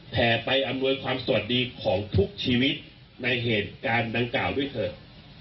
แห่ไปอำนวยความสวัสดีของทุกชีวิตในเหตุการณ์ดังกล่าวด้วยเถอะ